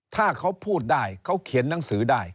ถ้าเขาพูดได้เขาเขียนหนังสือได้